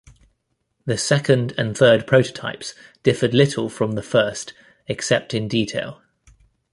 The second and third prototypes differed little from the first except in detail.